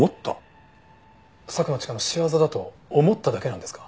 佐久間千佳の仕業だと思っただけなんですか？